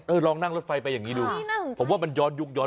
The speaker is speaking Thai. เออลองนั่งรถไฟไปอย่างนี้ดูผมว่ามันย้อนยุ่งย้อนไปนี่น่าสนใจ